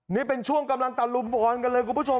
นี่เป็นช่วงกำลังต่อรุป